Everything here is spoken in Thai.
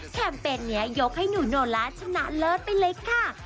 แคมเป็นเนี่ยยกให้หนูโนลาชนะเลิศไปเลยค่ะ